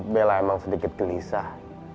bella emang sedikit gelisah